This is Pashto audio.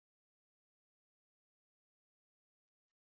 غول د ناروغ د سفر پایله ده.